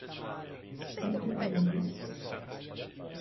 Cesare Degli Occhi